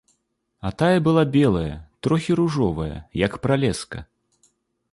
А тая была белая, трохі ружовая, як пралеска.